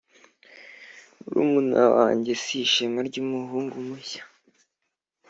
murumuna wanjye ni ishema ryumuhungu mushya.